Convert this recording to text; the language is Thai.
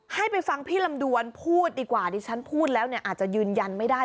ให้ไปฟังพี่ลำดวนพูดดีกว่าดิฉันพูดแล้วเนี่ยอาจจะยืนยันไม่ได้